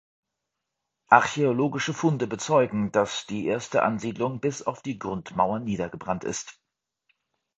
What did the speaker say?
Archäologische Funde bezeugen, dass die erste Ansiedlung bis auf die Grundmauern niedergebrannt ist.